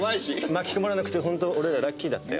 巻き込まれなくてほんと俺らラッキーだったよ。